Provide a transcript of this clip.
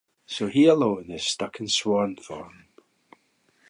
So he alone is stuck in swan form.